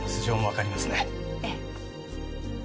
ええ。